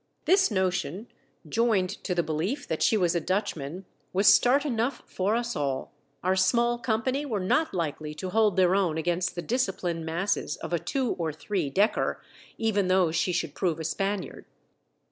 This notion, joined to the belief that she was a Dutchman, was start enough for us all. Our small company were not likely to hold their own against the disciplined masses of a two or three decker, even though she should prove a Spaniard.